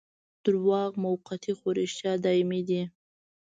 دروغ موقتي خو رښتیا دايمي دي.